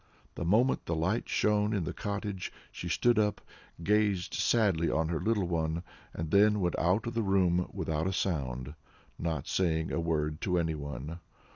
The moment the light shone in the cottage she stood up, gazed sadly on her little one, and then went out of the room without a sound, not saying a word to anyone.